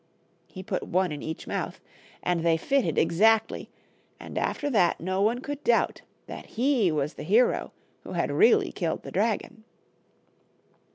He put one in each mouth, and they fitted exactly, and after that no one could doubt that he was the hero who had really killed the dragon.